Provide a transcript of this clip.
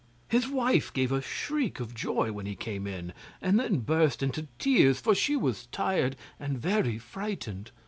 His wife gave a shriek of joy when he came in, and then burst into tears, for she was tired and very frightened.